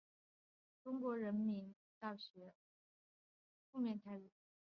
中国人民大学文学院教授潘天强对该片持负面态度。